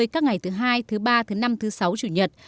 các ngày thứ hai thứ ba thứ năm thứ sáu chủ nhật